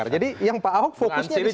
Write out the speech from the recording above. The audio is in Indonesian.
jadi yang pak ahok fokusnya disitu saja